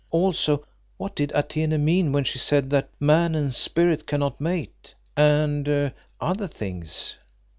Also, what did Atene mean when she said that man and spirit cannot mate and other things?"